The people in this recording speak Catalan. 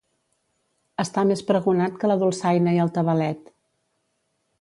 Estar més pregonat que la dolçaina i el tabalet.